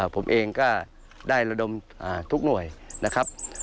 ผมเองก็ได้ระดมทุกหน่วยนะครับ